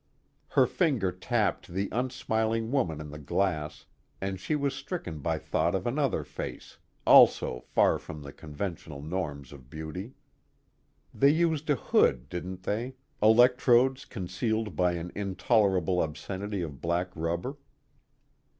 _ Her finger tapped the unsmiling woman in the glass, and she was stricken by thought of another face, also far from the conventional norms of beauty. They used a hood, didn't they, electrodes concealed by an intolerable obscenity of black rubber?